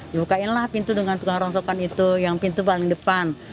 dibukainlah pintu dengan tukang rongsokan itu yang pintu paling depan